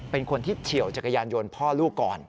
เป็นคนที่เฉียวจักรยานยนต์พ่อลูกก่อน